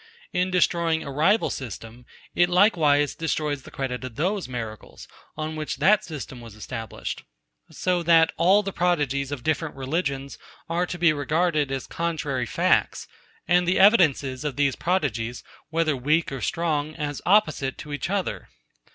In destroying a rival system, it likewise destroys the credit of those miracles, on which that system was established; so that all the prodigies of different religions are to be regarded as contrary facts, and the evidences of these prodigies, whether weak or strong, as opposite to each other.